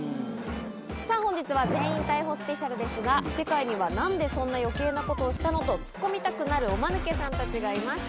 さぁ本日は全員逮捕スペシャルですが世界には何でそんな余計なことをしたの？とツッコみたくなるおマヌケさんたちがいました。